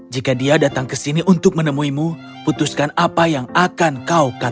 jika dia datang ke sini untuk menemuimu putuskan apa yang akan kau katakan